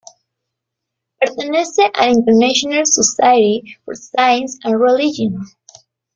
Pertenece a la International Society for Science and Religion.